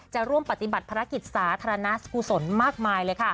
จะร่วมปฏิบัติภารกิจสาธารณกุศลมากมายเลยค่ะ